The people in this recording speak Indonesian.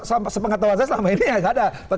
nah emang sepengetahuan saya selama ini ya tidak ada